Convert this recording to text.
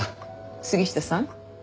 杉下さん